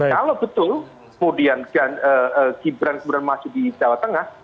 kalau betul kemudian gibran kemudian masuk di jawa tengah